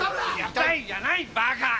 痛いじゃないバカ！